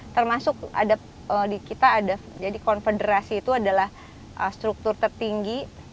termasuk di kita ada jadi konfederasi itu adalah struktur tertinggi